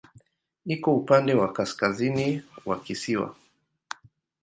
Iko upande wa kaskazini wa kisiwa.